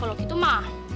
kalau gitu ma